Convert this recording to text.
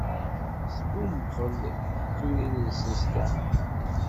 Sbumbxen turin-nsen s ddexxan.